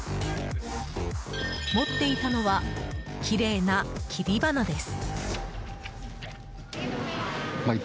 持っていたのはきれいな切り花です。